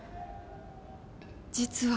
実は。